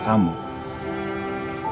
kalau kamu gak mau